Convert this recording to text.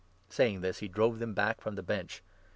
Saying this, he drove them back from the Bench.